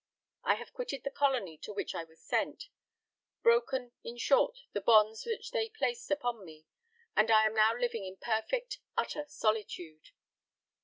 I have quitted the colony to which I was sent: broken, in short, the bonds which they placed upon me, and I am now living in perfect, utter solitude.